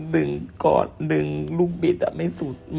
กอดดึงลูกบิดไม่สุด